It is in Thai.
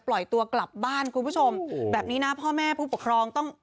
ปล่อยตัวกลับบ้านคุณผู้ชมแบบนี้นะพ่อแม่ผู้ปกครองต้อง